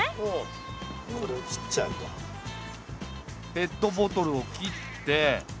ペットボトルを切って。